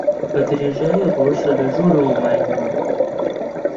بە درێژایی ڕۆژ لە ژوورەوە ماینەوە.